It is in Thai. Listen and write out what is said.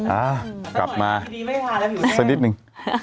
อ้าวกลับมาสักนิดนึง